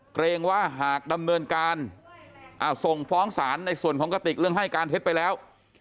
เกรงว่าหากดำเนินการส่งฟ้องศาลในส่วนของกติกเรื่องให้การเท็จไปแล้ว